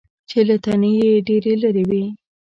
چې له تنې یې ډېرې لرې وي .